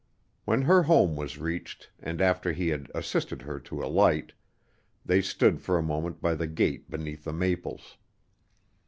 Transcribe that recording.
When her home was reached, and after he had assisted her to alight, they stood for a moment by the gate beneath the maples.